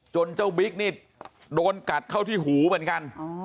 เจ้าบิ๊กนี่โดนกัดเข้าที่หูเหมือนกัน